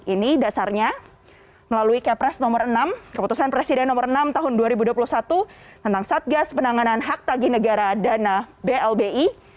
ini dasarnya melalui kepres nomor enam keputusan presiden nomor enam tahun dua ribu dua puluh satu tentang satgas penanganan hak tagih negara dana blbi